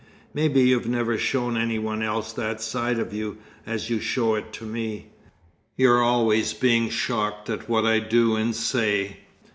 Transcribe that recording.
"Maybe you've never shown any one else that side of you, as you show it to me. You're always being shocked at what I do and say."